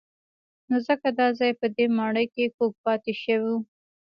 نو ځکه دا ځای په دې ماڼۍ کې کوږ پاتې شوی.